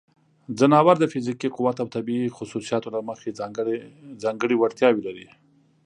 ځناور د فزیکي قوت او طبیعی خصوصیاتو له مخې ځانګړې وړتیاوې لري.